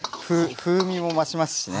風味も増しますしね。